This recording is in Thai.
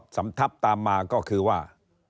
สำทับตามมาก็คือว่า